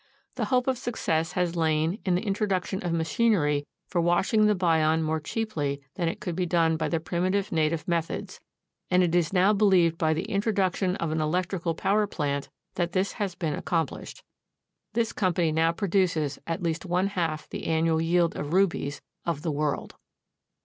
The hope of success has lain in the introduction of machinery for washing the byon more cheaply than it could be done by the primitive native methods, and it is now believed by the introduction of an electrical power plant that this has been accomplished. This company now produces at least one half the annual yield of rubies of the world.